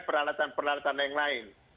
peralatan peralatan yang lain